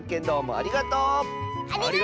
ありがとう！